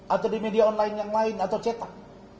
atau di media online yang lain atau cetak